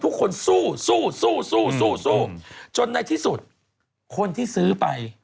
ทุกคนสู้สู้สู้จนในที่สุดคนที่ซื้อไป